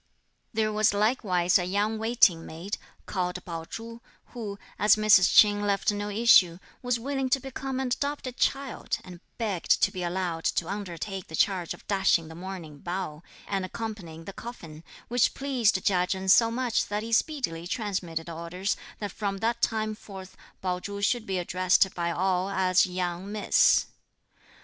There was likewise a young waiting maid, called Pao Chu, who, as Mrs. Ch'in left no issue, was willing to become an adopted child, and begged to be allowed to undertake the charge of dashing the mourning bowl, and accompanying the coffin; which pleased Chia Chen so much that he speedily transmitted orders that from that time forth Pao Chu should be addressed by all as 'young miss.'